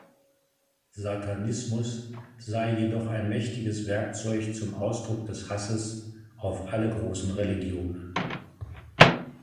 Satanismus sei jedoch ein mächtiges Werkzeug zum Ausdruck des Hasses auf alle großen Religionen.